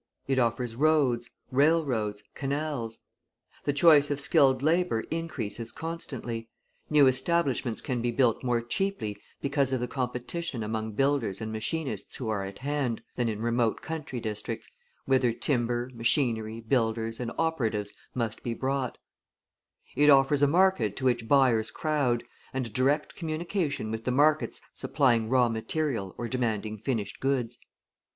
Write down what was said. It offers roads, railroads, canals; the choice of skilled labour increases constantly, new establishments can be built more cheaply because of the competition among builders and machinists who are at hand, than in remote country districts, whither timber, machinery, builders, and operatives must be brought; it offers a market to which buyers crowd, and direct communication with the markets supplying raw material or demanding finished goods.